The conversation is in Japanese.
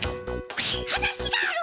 話がある！